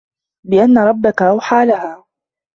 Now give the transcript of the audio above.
بِأَنَّ رَبَّكَ أَوْحَى لَهَا